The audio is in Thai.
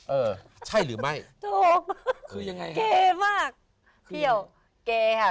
เออใช่หรือไม่ถูกคือยังไงฮะเกมากเที่ยวเกค่ะ